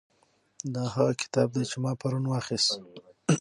دا هغه کتاب دی چې ما پرون واخیست.